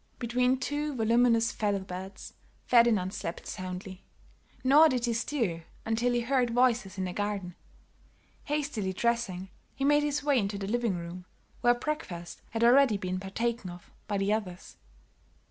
Between two voluminous feather beds Ferdinand slept soundly, nor did he stir until he heard voices in the garden. Hastily dressing, he made his way into the living room, where breakfast had already been partaken of by the others.